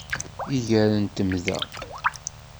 Iger n temda